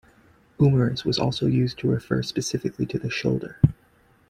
Umerus was also used to refer specifically to the shoulder.